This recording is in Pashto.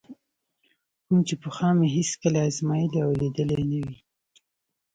کوم چې پخوا مې هېڅکله ازمایلی او لیدلی نه وي.